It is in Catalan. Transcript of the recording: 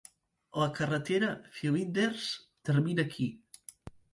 La carretera Flinders termina aquí.